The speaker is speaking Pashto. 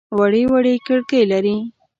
وړې وړې کړکۍ لري.